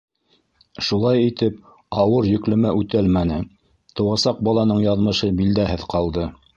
Шулай итеп ауыр йөкләмә үтәлмәне, тыуасаҡ баланың яҙмышы билдәһеҙ ҡалды.